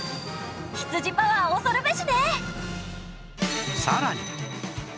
羊パワー恐るべしね！